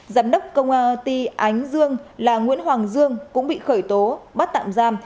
giám đốc công ty ánh dương là nguyễn hoàng dương cũng bị khởi tố bắt tạm giam